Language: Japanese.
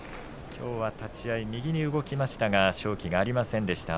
きょうは立ち合い右に動きましたが、朝乃若勝機がありませんでした。